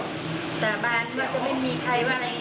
ผมเคยบอกสาบานว่าจะไม่มีใครว่าอะไร